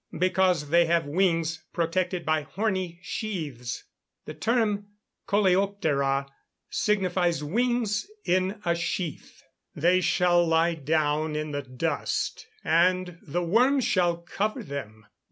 "_ Because they have wings protected by horny sheaths; the term coleoptera signifies wings in a sheath. [Verse: "They shall lie down in the dust; and the worms shall cover them."